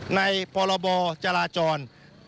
ในปรบจราจร